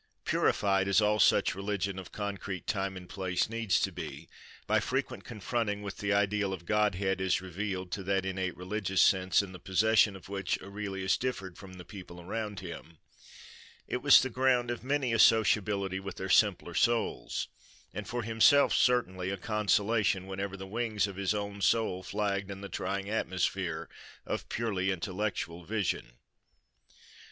+ Purified, as all such religion of concrete time and place needs to be, by frequent confronting with the ideal of godhead as revealed to that innate religious sense in the possession of which Aurelius differed from the people around him, it was the ground of many a sociability with their simpler souls, and for himself, certainly, a consolation, whenever the wings of his own soul flagged in the trying atmosphere of purely intellectual vision.